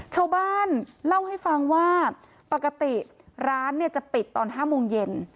ชาวบ้านเล่าให้ฟังว่าปกติร้านเนี่ยจะปิดตอน๕โมงเย็น